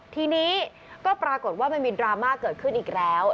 ทีนี้ก็ปรากฏว่ามันมีดราม่าเกิดขึ้นอีกแล้ว